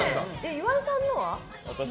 岩井さんのは？